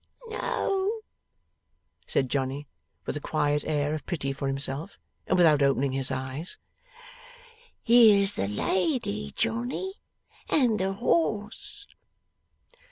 'No,' said Johnny, with a quiet air of pity for himself; and without opening his eyes. 'Here's the lady, Johnny. And the horse.